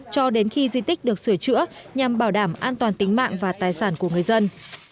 cho đến khi di tích được sửa chữa nhằm bảo đảm an toàn tính mạng và tài sản của người dân